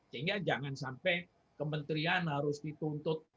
sehingga jangan sampai kementerian harus dituntut